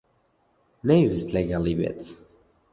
نەیویست لەگەڵی بێت.